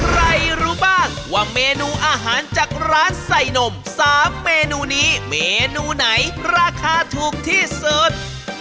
รู้บ้างว่าเมนูอาหารจากร้านใส่นม๓เมนูนี้เมนูไหนราคาถูกที่สุด